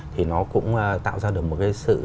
thì nó cũng tạo ra được một cái sự